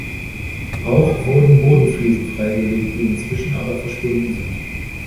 Auch wurden Bodenfliesen freigelegt, die inzwischen aber verschwunden sind.